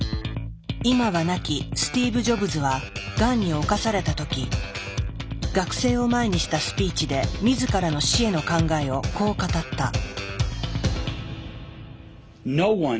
今は亡きスティーブ・ジョブズはがんに侵された時学生を前にしたスピーチで自らの死への考えをこう語った。